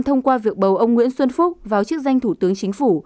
thông qua việc bầu ông nguyễn xuân phúc vào chức danh thủ tướng chính phủ